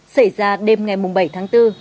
xảy ra đêm ngày bảy tháng bốn